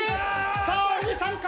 さあ小木さんか？